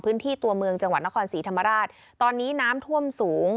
ตัวเมืองจังหวัดนครศรีธรรมราชตอนนี้น้ำท่วมสูง